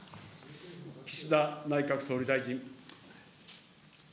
岸田内閣総理大臣。